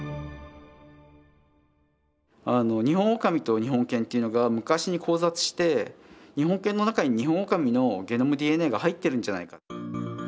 ニホンオオカミと日本犬というのが昔に交雑して日本犬の中にニホンオオカミのゲノムＤＮＡが入っているんじゃないか。